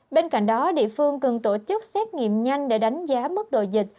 bên cạnh đó địa phương cần tổ chức xét nghiệm nhanh để đánh giá mức độ dịch